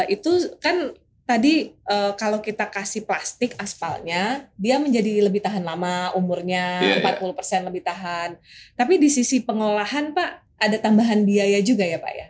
itu kan tadi kalau kita kasih plastik asfalnya dia menjadi lebih tahan lama umurnya empat puluh persen lebih tahan tapi di sisi pengolahan pak ada tambahan biaya juga ya pak ya